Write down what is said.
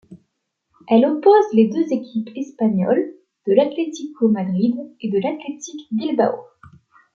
Elle oppose les deux équipes espagnoles de l'Atlético Madrid et de l'Athletic Bilbao.